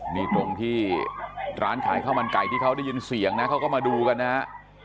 นี่ตรงที่ร้านขายข้าวมันไก่ที่เขาได้ยินเสียงนะเขาก็มาดูกันนะฮะ